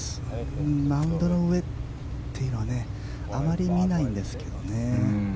マウンドの上はあまり見ないんですけどね。